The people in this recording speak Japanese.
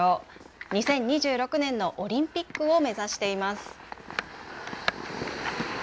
２０２６年のオリンピックを目指しています。